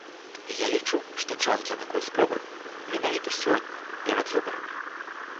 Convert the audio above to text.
Я лічу, што час для такой спробы менавіта сёння, перад выбарамі.